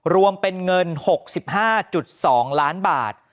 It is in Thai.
รวมเป็นเงิน๖๕๒ล้านบาท